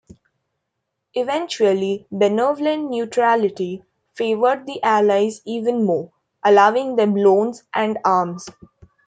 Eventually, benevolent neutrality favoured the Allies even more, allowing them loans and arms.